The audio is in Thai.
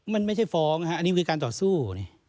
มันไม่ใช่ฟ้องอันนี้คือการต่อสู้